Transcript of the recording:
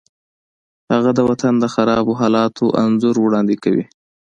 هغه د وطن د خرابو حالاتو انځور وړاندې کوي